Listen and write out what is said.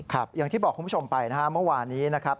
ครับอย่างที่บอกคุณผู้ชมไปเมื่อวานี้นะครับ